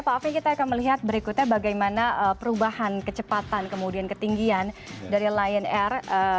pak alvin kita akan melihat berikutnya bagaimana perubahan kecepatan kemudian ketinggian dari lion air